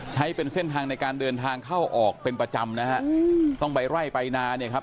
ใช้เป็นเส้นทางในการเดินทางเข้าออกเป็นประจำนะฮะต้องไปไล่ไปนาเนี่ยครับ